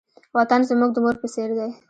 وطن زموږ د مور په څېر دی.